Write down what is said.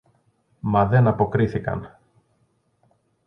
Μα δεν αποκρίθηκαν.